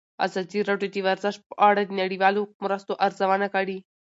ازادي راډیو د ورزش په اړه د نړیوالو مرستو ارزونه کړې.